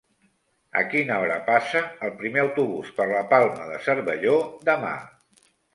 A quina hora passa el primer autobús per la Palma de Cervelló demà?